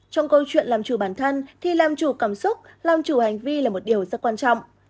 trong câu chuyện làm chủ bản thân thì làm chủ cảm xúc làm chủ hành vi là một điều rất quan trọng